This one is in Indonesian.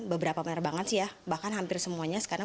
beberapa penerbangan sih ya bahkan hampir semuanya sekarang